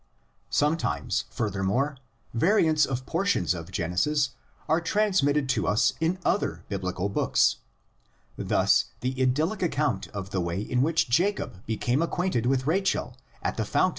Sometimes, furthermore, variants of portions of Genesis are transmitted to us in other Biblical books: thus the idyllic account of the way in which Jacob became acquainted with Rachel at the foun 100 THE LEGENDS OF GENESIS.